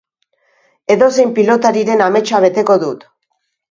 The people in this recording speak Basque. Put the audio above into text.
Edozein pilotariren ametsa beteko dut.